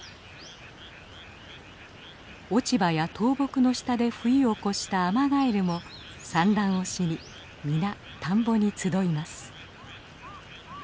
落ち葉や倒木の下で冬を越したアマガエルも産卵をしに皆田んぼに集います。